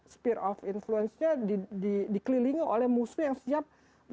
spear of influence nya dikelilingi oleh musuh yang siap